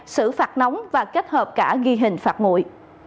xử phạt nóng và kết hợp cả ghi hình phạt ngụy